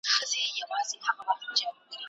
ماشومانو ته به کومي کیسې یوسي